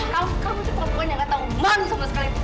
kamu seorang perempuan yang gak tahu malu sama sekali